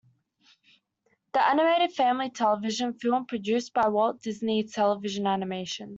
The animated family television film produced by Walt Disney Television Animation.